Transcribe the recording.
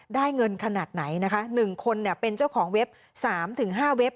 ได้เงินขนาดไหนหนึ่งคนเป็นเจ้าของเว็บ๓๕เว็บ